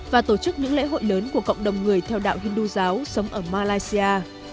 và tổ chức những lễ hội lớn của cộng đồng người theo đạo hindu giáo sống ở malaysia